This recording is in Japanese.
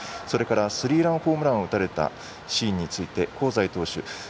それからスリーランホームランを打たれたシーンについて香西投手